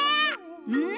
うん！